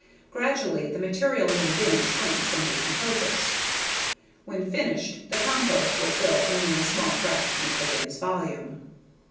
Gradually the material in the bin shrinks and decomposes. When finished, the compost will fill only a small fraction of the bin's volume.